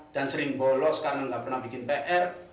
dan sering bolos karena tidak pernah membuat pr